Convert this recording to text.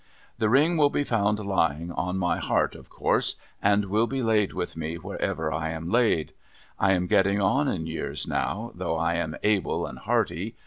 The ring will be found lying on my heart, of course, and will be laid with me wherever I am laid. I am getting on in years now, though I am able and hearty.